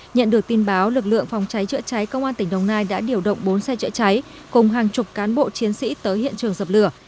nhận được tin báo lực lượng phòng cháy chữa cháy công an tỉnh đồng nai đã điều động bốn xe chữa cháy cùng hàng chục cán bộ chiến sĩ tới hiện trường dập lửa